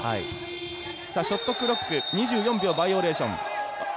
ショットクロック２４秒バイオレーション。